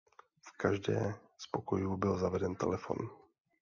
V každé z pokojů byl zaveden telefon.